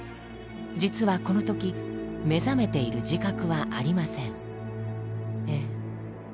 実はこの時目覚めている自覚はありません。